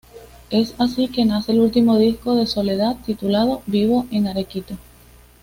Es así que nace el último disco de Soledad titulado "Vivo en Arequito".